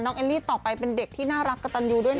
เอลลี่ต่อไปเป็นเด็กที่น่ารักกระตันยูด้วยนะ